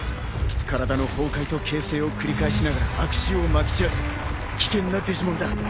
体の崩壊と形成を繰り返しながら悪臭をまき散らす危険なデジモンだ。